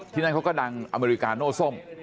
นั่นเขาก็ดังอเมริกาโน้ส้ม